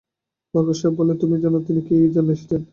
বরকত সাহেব বললেন, তুমি জান, তিনি কী জন্যে এসেছেন?